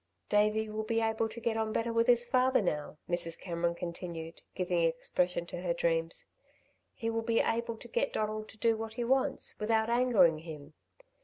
"Davey will be able to get on better with his father now," Mrs. Cameron continued, giving expression to her dreams. "He will be able to get Donald to do what he wants, without angering him.